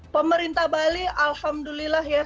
pemerintah bali alhamdulillah ya